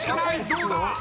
どうだ？